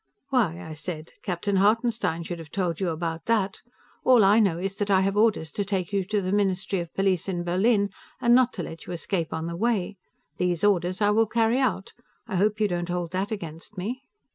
"Why," I said, "Captain Hartenstein should have told you about that. All I know is that I have orders to take you to the Ministry of Police, in Berlin, and not to let you escape on the way. These orders I will carry out; I hope you don't hold that against me."